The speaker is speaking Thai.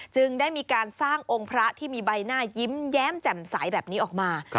จึงได้มีการสร้างองค์พระที่มีใบหน้ายิ้มแย้มแจ่มใสแบบนี้ออกมา